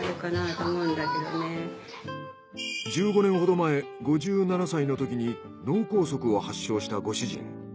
１５年ほど前５７歳のときに脳梗塞を発症したご主人。